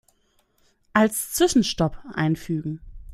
Als Zwischenstopp einfügen.